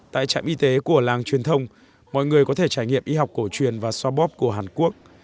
tại trạm y tế của làng truyền thông mọi người có thể trải nghiệm y học cổ truyền và sobop của hàn quốc